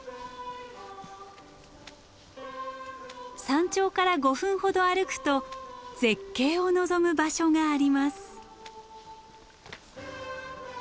山頂から５分ほど歩くと絶景を望む場所があります。